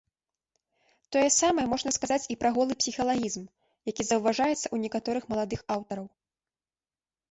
Тое самае можна сказаць і пра голы псіхалагізм, які заўважаецца ў некаторых маладых аўтараў.